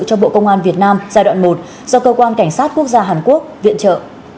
cho bộ công an việt nam giai đoạn một do cơ quan cảnh sát quốc gia hàn quốc viện trợ